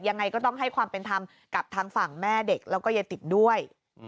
ยังไงก็ต้องให้ความเป็นธรรมกับทางฝั่งแม่เด็กแล้วก็ยายติดด้วย